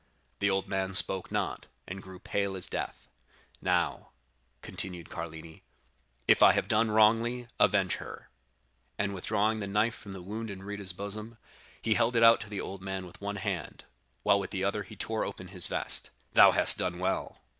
The old man spoke not, and grew pale as death. 'Now,' continued Carlini, 'if I have done wrongly, avenge her;' and withdrawing the knife from the wound in Rita's bosom, he held it out to the old man with one hand, while with the other he tore open his vest. "'Thou hast done well!